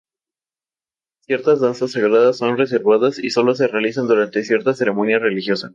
Ciertas danzas sagradas son reservadas y sólo se realizan durante cierta ceremonia religiosa.